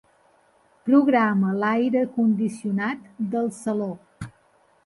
Programa l'aire condicionat del saló.